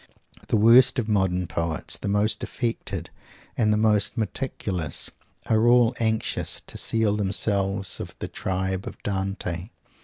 The worst of modern poets, the most affected and the most meticulous, are all anxious to seal themselves of the tribe of Dante.